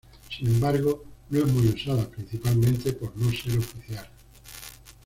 Sin embargo, no es muy usada, principalmente por no ser oficial.